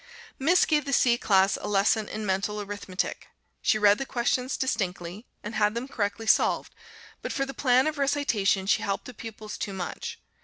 Miss gave the C class a lesson in Mental Arithmetic. She read the questions distinctly, and had them correctly solved; but for the plan of recitation, she helped the pupils too much.